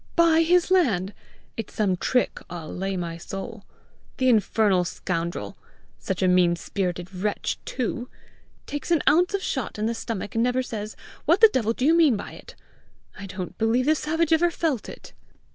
Buy his land! It's some trick, I'll lay my soul! The infernal scoundrel! Such a mean spirited wretch too! Takes an ounce of shot in the stomach, and never says 'What the devil do you mean by it?' I don't believe the savage ever felt it!"